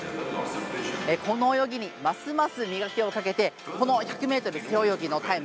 この泳ぎにますます磨きをかけて１００ｍ背泳ぎのタイム